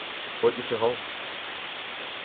Holt mich hier raus!